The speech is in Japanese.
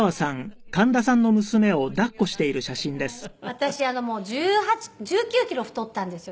私１９キロ太ったんですよ